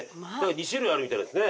２種類あるみたいですね。